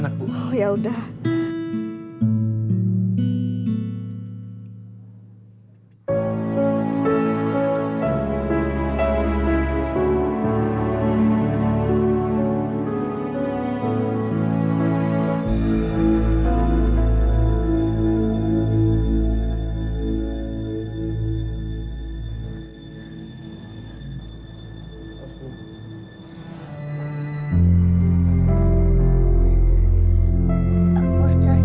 apa mau diganti lauknya